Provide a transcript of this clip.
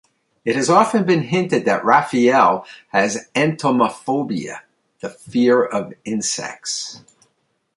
It has often been hinted that Raphael has entomophobia, the fear of insects.